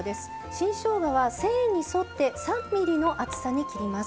新しょうがは繊維に沿って３ｍｍの厚さに切ります。